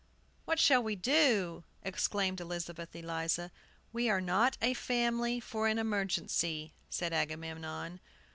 "What shall we do?" exclaimed Elizabeth Eliza. "We are not a family for an emergency," said Agamemnon.